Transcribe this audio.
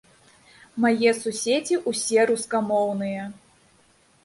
Мае суседзі ўсе рускамоўныя.